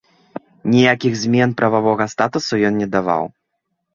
Ніякіх змен прававога статусу ён не даваў.